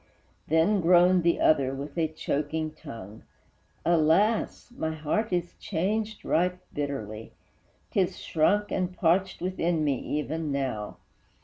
Then groaned the other, with a choking tongue, "Alas! my heart is changed right bitterly; 'Tis shrunk and parched within me even now!"